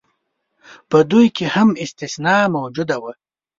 په دوی کې هم استثنا موجوده وه.